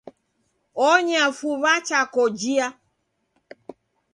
Onyea fuw'a cha kojia.